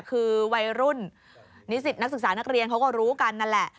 คือวัยรุ่นนิสิตนักศึกษานักเรียนเขาก็รู้กันนั่นแหละ